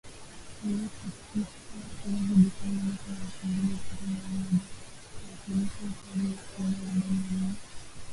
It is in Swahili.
Tarehe Tisa mwezi Disemba mwaka wa elfu mbili ishirini na moja, ikiwasilisha ukuaji wa asilimia arobaini na nne.